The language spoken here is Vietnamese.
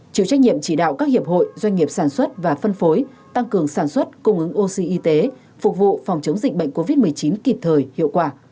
chịu trách nhiệm chỉ đạo các hiệp hội doanh nghiệp sản xuất và phân phối tăng cường sản xuất cung ứng oxy y tế phục vụ phòng chống dịch bệnh covid một mươi chín kịp thời hiệu quả